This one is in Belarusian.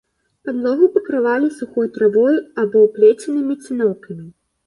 Падлогу пакрывалі сухой травой або плеценымі цыноўкамі.